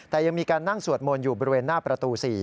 แต่ยังมีการนั่งสวดมนต์อยู่บริเวณหน้าประตู๔